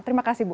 terima kasih bu